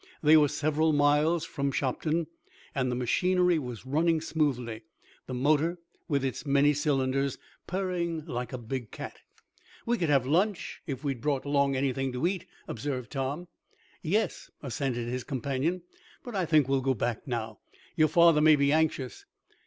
They were several miles from Shopton, and the machinery was running smoothly; the motor, with its many cylinders purring like a big cat. "We could have lunch, if we'd brought along anything to eat," observed Tom. "Yes," assented his companion. "But I think we'll go back now. Your father may be anxious.